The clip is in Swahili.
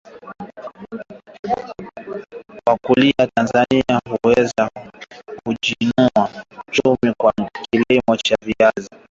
Wakuliam Tanzania huweza kujiinua kiuchumi kwa kilimo cha viazi lishe